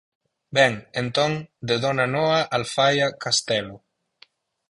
Ben, entón, de dona Noa Alfaia Castelo.